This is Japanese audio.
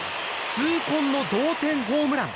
痛恨の同点ホームラン。